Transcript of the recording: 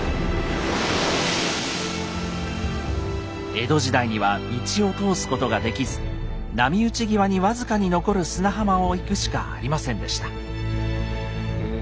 江戸時代には道を通すことができず波打ち際に僅かに残る砂浜を行くしかありませんでした。